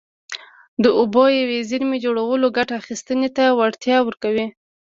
د اوبو د یوې زېرمې جوړول ګټه اخیستنې ته وړتیا ورکوي.